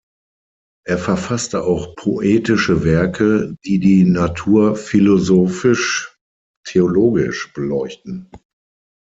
Er verfasste auch poetische Werke, die die Natur philosophisch-theologisch beleuchten.